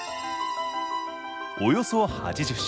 およそ８０種